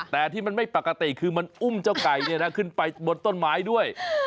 แต่ที่มันไม่ปกติคือมันอุ้มเจ้าไก่ขึ้นไปบนต้นไม้ด้วย